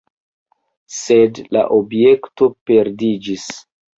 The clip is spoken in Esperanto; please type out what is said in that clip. Sed la objekto perdiĝis.